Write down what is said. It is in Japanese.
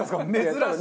珍しい。